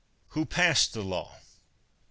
Who passed the law ?